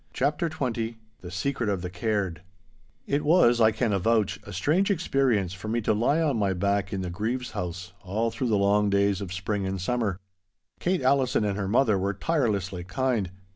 *CHAPTER XX* *THE SECRET OF THE CAIRD* It was, I can avouch, a strange experience for me to lie on my back in the Grieve's house all through the long days of spring and summer. Kate Allison and her mother were tirelessly kind.